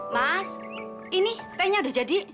mas ini kayaknya udah jadi